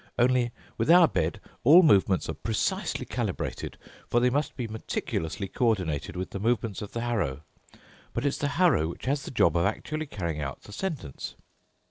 Only with our bed all movements are precisely calibrated, for they must be meticulously coordinated with the movements of the harrow. But it's the harrow which has the job of actually carrying out the sentence."